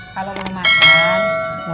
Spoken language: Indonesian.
kalau mau makan